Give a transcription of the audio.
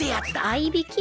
合いびき？